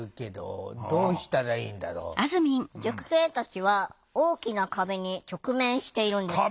塾生たちは大きな壁に直面しているんです。